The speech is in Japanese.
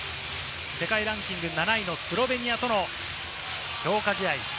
世界ランキング７位のスロベニアとの強化試合。